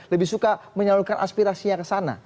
lebih suka menyalurkan aspirasinya ke sana